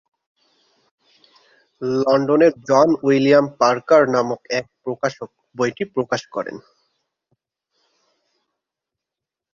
লন্ডনের John William Parker নামক এক প্রকাশক বইটি প্রকাশ করেন।